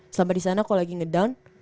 selama di sana kalau lagi ngedown